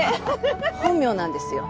本名なんですよ。